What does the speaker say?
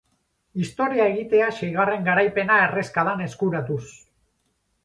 Historia egitea seigarren garaipena erreskadan eskuratuz.